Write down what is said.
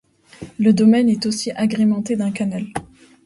Le domaine est aussi agrémenté d’un canal.